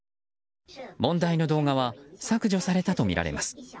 問題の動画は削除されたとみられます。